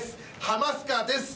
『ハマスカ』です。